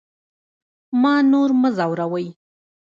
ما نور مه ځوروئ